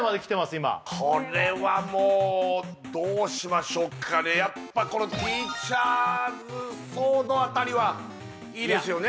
今これはもうどうしましょっかねやっぱこのティーチャーズソードあたりはいいですよね